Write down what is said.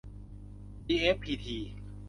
จีเอฟพีที